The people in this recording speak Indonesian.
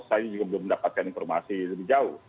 saya juga belum mendapatkan informasi lebih jauh